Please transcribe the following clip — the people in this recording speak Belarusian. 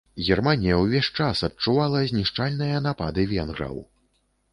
Германія ўвесь час адчувала знішчальныя напады венграў.